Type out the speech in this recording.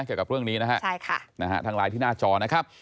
เกี่ยวกับเรื่องนี้นะฮะใช่ค่ะนะฮะทางไลน์ที่หน้าจอนะครับ